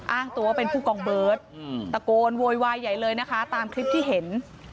อ้างตัวเป็นผู้กองเบิร์ตตะโกนโวยวายใหญ่เลยนะคะตามคลิปที่เห็น